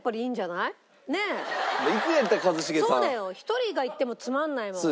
１人が行ってもつまらないもん。